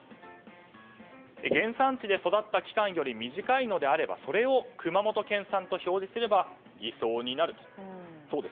原産地で育った期間より短いのであればそれを熊本県産と表示すれば偽装になると。